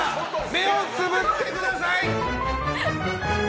目をつぶってください！